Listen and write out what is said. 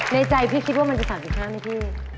ในใจพี่คิดว่ามันจะ๓๕ไหมพี่